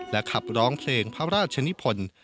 ขับร้องเพลงพระราชนิพล